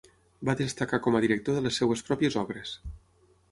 Va destacar com a director de les seues pròpies obres.